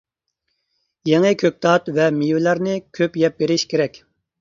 يېڭى كۆكتات ۋە مېۋىلەرنى كۆپ يەپ بېرىش كېرەك.